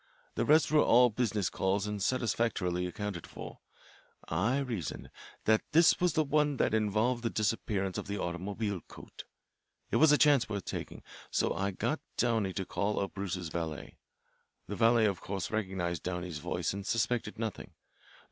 The rest were all business calls and satisfactorily accounted for. I reasoned that this was the one that involved the disappearance of the automobile coat. It was a chance worth taking, so I got Downey to call up Bruce's valet. The valet of course recognised Downey's voice and suspected nothing.